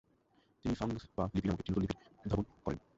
তিনি 'ফাগ্স-পা লিপি নামক এক নতুন লিপির উদ্ভাবন করেন।